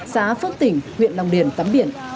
xá phước tỉnh huyện đồng điển tắm biển